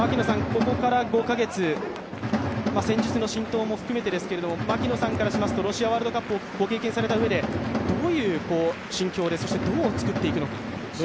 ここから５カ月、戦術の浸透も含めてですけど、槙野さんからしますとロシアワールドカップをご経験された上でどういう心境でどう作っていくのか。